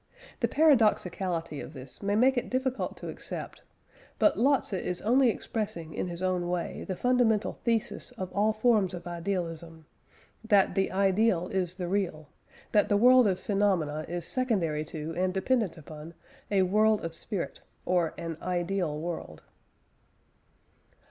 The paradoxicality of this may make it difficult to accept; but Lotze is only expressing in his own way the fundamental thesis of all forms of idealism, that "the ideal is the real"; that the world of phenomena is secondary to and dependent upon a "world of spirit," or an "ideal world."